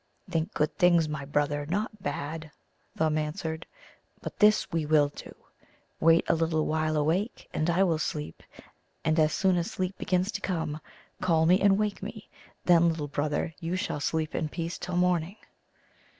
"Think good things, my brother, not bad," Thumb answered. "But this we will do wait a little while awake, and I will sleep, and as soon as sleep begins to come, call me and wake me; then, little brother, you shall sleep in peace till morning."